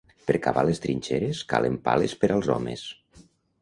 Per cavar les trinxeres, calen pales per als homes.